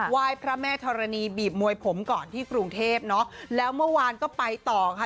ยพระแม่ธรณีบีบมวยผมก่อนที่กรุงเทพเนอะแล้วเมื่อวานก็ไปต่อค่ะ